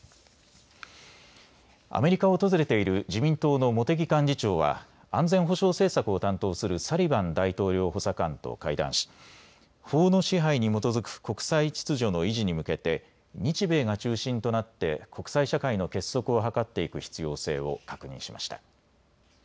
アメリカを訪れている自民党の茂木幹事長は安全保障政策を担当するサリバン大統領補佐官と会談し法の支配に基づく国際秩序の維持に向けて日米が中心となって国際社会の結束を図っていく必要性を確認しました。